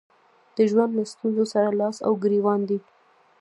د ژوند له ستونزو سره لاس او ګرېوان دي.